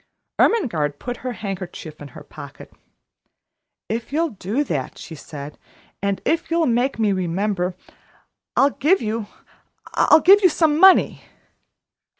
Ermengarde put her handkerchief in her pocket. "If you'll do that," she said, "and if you'll make me remember, I'll give you I'll give you some money."